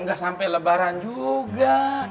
ya gak sampe lebaran juga